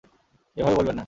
এভাবে বলবেন না।